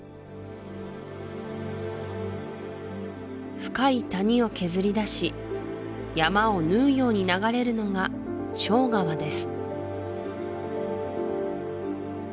深い谷を削り出し山を縫うように流れるのが庄川です